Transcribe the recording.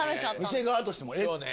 店側としてもえっ！？